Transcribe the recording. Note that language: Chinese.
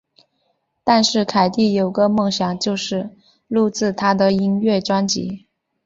但是凯蒂有个梦想就是录制她的音乐专辑。